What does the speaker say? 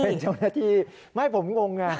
เป็นเจ้าหน้าที่ไม่ผมงงไง